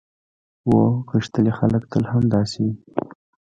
هو، غښتلي خلک تل همداسې وي.